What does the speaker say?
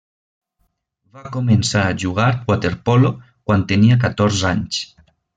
Va començar a jugar waterpolo quan tenia catorze anys.